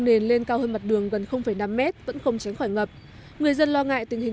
nền lên cao hơn mặt đường gần năm mét vẫn không tránh khỏi ngập người dân lo ngại tình hình